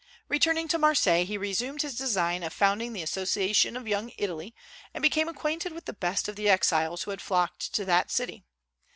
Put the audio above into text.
Returning to Marseilles, he resumed his design of founding the Association of Young Italy, and became acquainted with the best of the exiles who had flocked to that city.